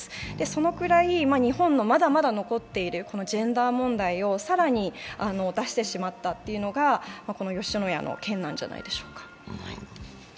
そのくらい日本の、まだまだ残っているジェンダー問題を更に出してしまったというのが吉野家の件なんじゃないでしょうか。